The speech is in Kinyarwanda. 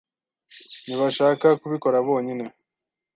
Ntibashaka kubikora bonyine.